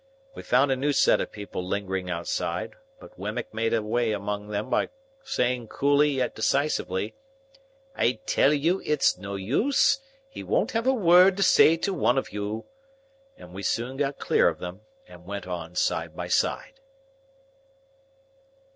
We found a new set of people lingering outside, but Wemmick made a way among them by saying coolly yet decisively, "I tell you it's no use; he won't have a word to say to one of you;" and we soon got clear of them, and went on side by side.